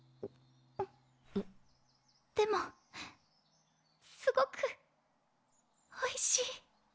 でもすごくおいしい。